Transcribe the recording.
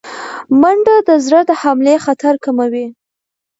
منډه د زړه د حملې خطر کموي